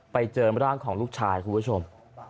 ไปเจอร่างของลูกชายคุณผู้ชม